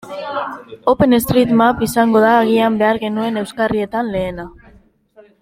OpenStreetMap izango da agian behar genuen euskarrietan lehena.